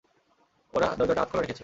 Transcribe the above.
ওরা দরজাটা আধখোলা রেখেছে।